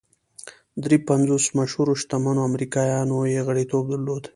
درې پنځوس مشهورو شتمنو امریکایانو یې غړیتوب درلود